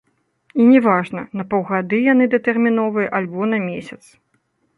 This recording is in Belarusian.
І не важна, на паўгады яны датэрміновыя альбо на месяц.